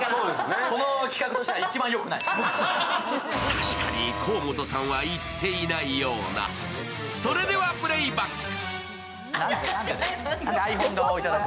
確かに河本さんは言っていないようなそれではプレイバック。